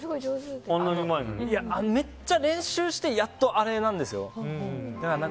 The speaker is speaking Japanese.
めっちゃ練習してやっとあれなんですよ。